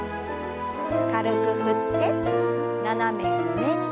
軽く振って斜め上に。